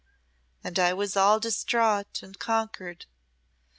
And I was all distraught and conquered.